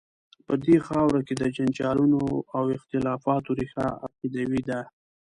په دې خاوره کې د جنجالونو او اختلافات ریښه عقیدوي ده.